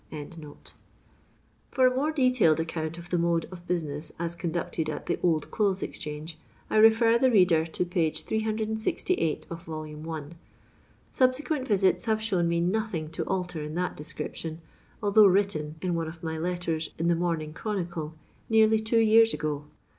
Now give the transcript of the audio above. ] For a more detailed account of the mode of busineu as conducted at the Old Clothes Ex change I refer the reader to p. 868, vol. i. Sub sequent Tisits have shown me nothing to alter in that description, although written (in one of my letters in the Morning Chronicle), nearly two years ago.